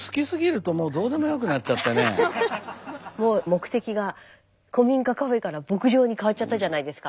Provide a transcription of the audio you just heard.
もう目的が古民家カフェから牧場に変わっちゃったじゃないですか。